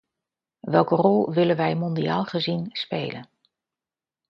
Welke rol willen wij mondiaal gezien spelen?